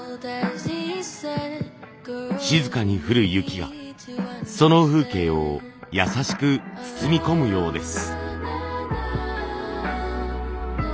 静かに降る雪がその風景を優しく包み込むようです。